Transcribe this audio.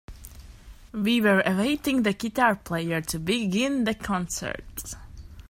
We were awaiting the guitar player to begin the concert.